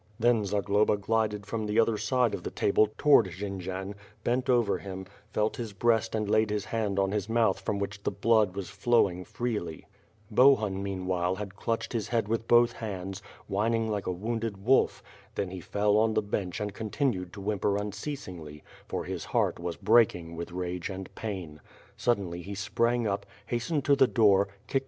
Then Zagloba glided from the other side of the table to ward Jendzian; bent over him, felt his breast and laid his hand on his mouth from which the blood was flowing freely. 2j6 with Fins A\D SWORD. I^iliun meanuliiJe had clutched hi? head with both hands, u'hinin;r like a wounded wolf; then he fell on the bench and continued to whinifK^r uncea>iin^ly, for his heart was break ing with ra^e and pain. Suddenly he sprang up, hastened to the dc>or, kicked!